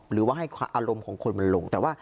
หรือว่าให้อารมณ์ของคนมันลง